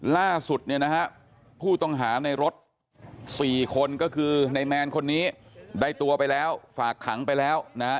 ล่าสุดเนี่ยนะฮะผู้ต้องหาในรถ๔คนก็คือในแมนคนนี้ได้ตัวไปแล้วฝากขังไปแล้วนะฮะ